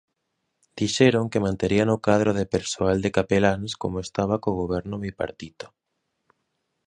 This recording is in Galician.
Dixeron que manterían o cadro de persoal de capeláns como estaba co goberno bipartito.